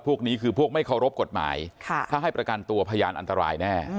พวกนี้คือพวกไม่เคารพกฎหมายถ้าให้ประกันตัวพยานอันตรายแน่